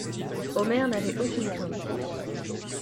Omer n'avait aucune crainte.